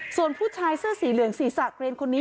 ส่วนผู้ชายเสื้อสีเหลืองศีรษะเกรนคนนี้